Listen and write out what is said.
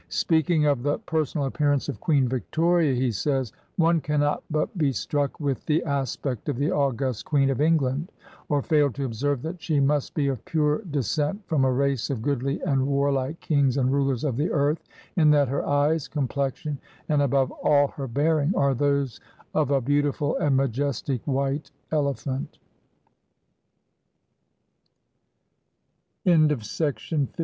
Speaking of the personal appearance of Queen Victoria, he says: "One cannot but be struck with the aspect of the august Queen of England, or fail to observe that she must be of pure descent from a race of goodly and warlike kings and rulers of the earth, in that her eyes, complexion, and above all her bearing, are those of a beautiful and majestic white elephant."